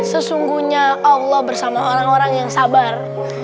sesungguhnya allah bersama orang orang yang sabar